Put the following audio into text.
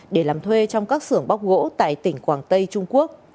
để làm thuê trong các xưởng bóc gỗ tại tỉnh quảng tây trung quốc